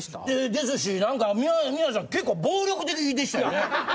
ですし、なんか宮根さん、結構、暴力的でしたよね。